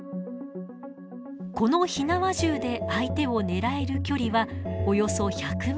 この火縄銃で相手を狙える距離はおよそ１００ｍ。